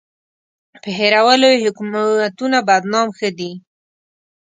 په هېرولو یې حکومتونه بدنام ښه دي.